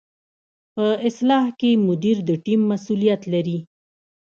په اصطلاح کې مدیر د ټیم مسؤلیت لري.